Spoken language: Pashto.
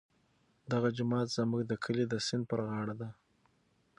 دغه جومات زموږ د کلي د سیند پر غاړه دی.